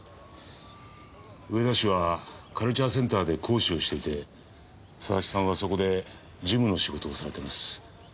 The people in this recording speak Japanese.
上田氏はカルチャーセンターで講師をしていて佐々木さんはそこで事務の仕事をされてます。